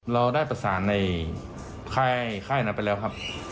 เราได้ผสานในค่ายข้ายนั้นไปแล้วครับ